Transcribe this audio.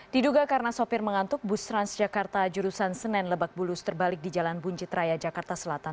diduga karena sopir mengantuk bus transjakarta jurusan senen lebakbulus terbalik di jalan buncitraya jakarta selatan